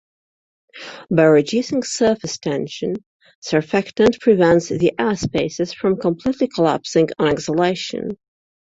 By reducing surface tension, surfactant prevents the air-spaces from completely collapsing on exhalation.